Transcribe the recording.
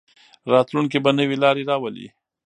راتلونکی به نوې لارې راولي.